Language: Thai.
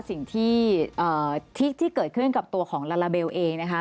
สิ่งที่เกิดขึ้นกับตัวของลาลาเบลเองนะคะ